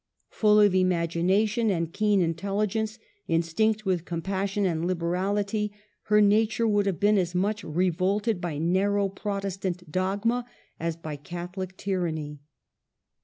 Full of imagination and keen intelligence, instinct with compassion and liberality, her nature would have been as much revolted by narrow Protestant dogma as by Catholic tyranny.